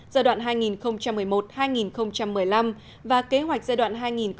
giai đoạn hai nghìn một mươi một hai nghìn một mươi năm và kế hoạch giai đoạn hai nghìn một mươi sáu hai nghìn hai mươi